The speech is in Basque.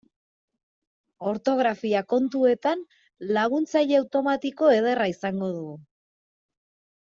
Ortografia kontuetan laguntzaile automatiko ederra izango dugu.